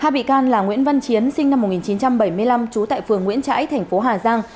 hai bị can là nguyễn văn chiến sinh năm một nghìn chín trăm bảy mươi năm trú tại phường nguyễn trãi thành phố hà giang